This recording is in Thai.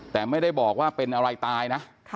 แต่ไม่ได้บอกว่าเป็นอะไรตายนะ